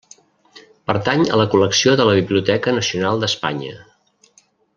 Pertany a la col·lecció de la Biblioteca Nacional d'Espanya.